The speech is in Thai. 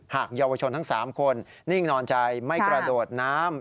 เยาวชนทั้ง๓คนนิ่งนอนใจไม่กระโดดน้ำ